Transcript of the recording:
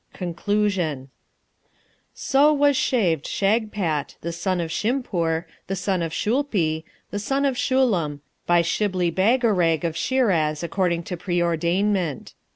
CONCLUSION So was shaved Shagpat, the son of Shimpoor, the son of Shoolpi, the son of Shullum, by Shibli Bagarag, of Shiraz, according to preordainment.